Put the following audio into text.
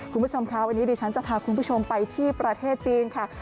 คุณผู้ชมค่ะวันนี้ดิฉันจะพาคุณผู้ชมไปที่ประเทศจีนค่ะ